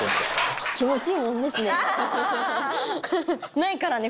ないからね